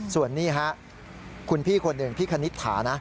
ส่วนนี้ฮะคุณพี่คนหนึ่งพี่คณิตถานะ